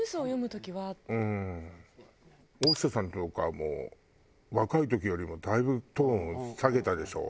大下さんとかもう若い時よりもだいぶトーンを下げたでしょ？